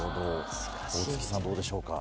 宝槻さんどうでしょうか？